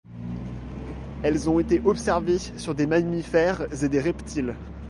Elles ont été observées sur des mammifères et des reptiles.